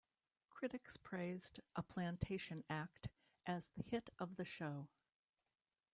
Critics praised "A Plantation Act" as the hit of the show.